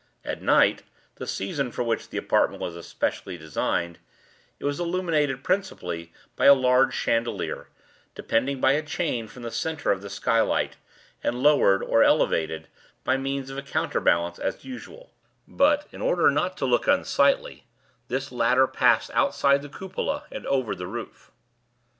At night (the season for which the apartment was especially designed) it was illuminated principally by a large chandelier, depending by a chain from the centre of the sky light, and lowered, or elevated, by means of a counter balance as usual; but (in order not to look unsightly) this latter passed outside the cupola and over the roof.